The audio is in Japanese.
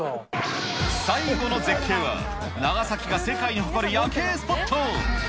最後の絶景は、長崎が世界に誇る夜景スポット。